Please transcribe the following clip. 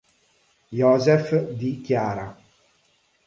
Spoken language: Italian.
Joseph Di Chiara